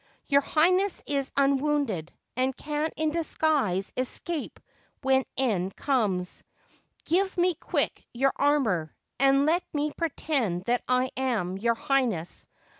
Your Highness is unwounded, and can in disguise escape when the end comes. Give me quick your armour, and let me pretend that I am your Highness.